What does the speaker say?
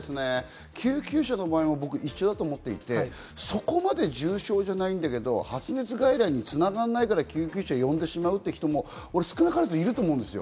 こちらも一緒だと思っていて、そこまで重症じゃないんだけど、発熱外来に繋がらないから救急車を呼んでしまうという人も少なからずいると思うんです。